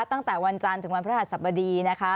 ตั้งแต่วันจันทร์ถึงวันพระหัสสบดีนะคะ